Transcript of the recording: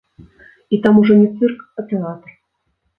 І там ужо не цырк, а тэатр.